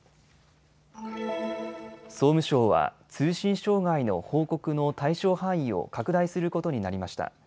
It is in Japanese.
総務省は通信障害の報告の対象範囲を拡大することになりました。